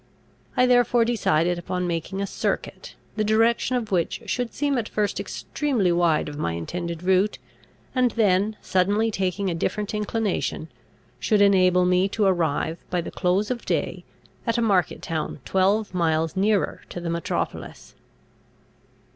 I therefore decided upon making a circuit, the direction of which should seem at first extremely wide of my intended route, and then, suddenly taking a different inclination, should enable me to arrive by the close of day at a market town twelve miles nearer to the metropolis.